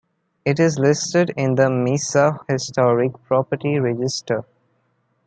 It is listed in the Mesa Historic Property Register.